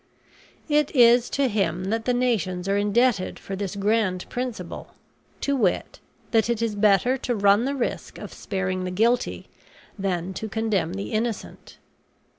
It is to him that the nations are indebted for this grand principle, to wit, that it is better to run the risk of sparing the guilty than to condemn the innocent.